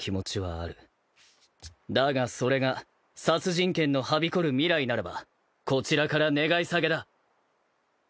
だがそれが殺人剣のはびこる未来ならばこちらから願い下げだ。